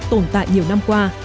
tồn tại nhiều năm qua